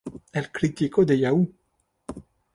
El crítico de Yahoo!